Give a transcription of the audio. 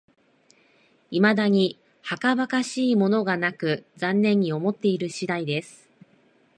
いまだにはかばかしいものがなく、残念に思っている次第です